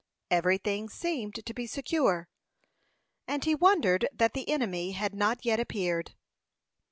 Every thing seemed to be secure, and he wondered that the enemy had not yet appeared.